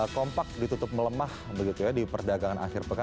kompak ditutup melemah begitu ya di perdagangan akhir pekan